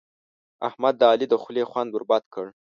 احمد د علي د خولې خوند ور بد کړ.